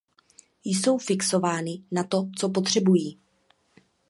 Jsou fixovány na to, co potřebují.